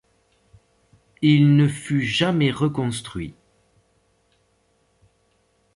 Il ne fut jamais reconstruit.